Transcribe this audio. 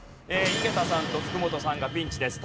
井桁さんと福本さんがピンチです。